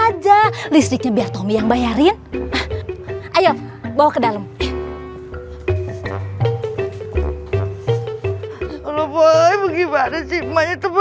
aja listriknya biar tommy yang bayarin ayo bawa ke dalam